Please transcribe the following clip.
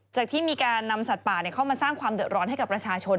ที่มีการนำสัตว์ป่าเข้ามาสร้างความเดือดร้อนให้กับประชาชน